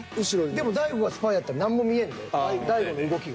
でも大悟がスパイやったら何も見えんで大悟の動きが。